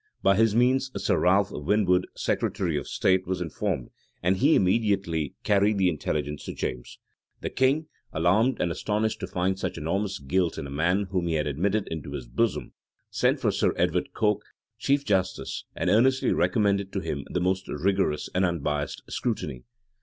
By his means, Sir Ralph Winwood, secretary of state, was informed; and he immediately carried the intelligence to James. The king, alarmed and astonished to find such enormous guilt in a man whom he had admitted into his bosom, sent for Sir Edward Coke, chief justice, and earnestly recommended to him the most rigorous and unbiased scrutiny.